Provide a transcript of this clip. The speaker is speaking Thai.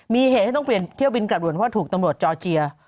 มีเหตุที่ต้องเปลี่ยนเที่ยวบินกลับรวมว่าถูกตำรวจจอร์เจีย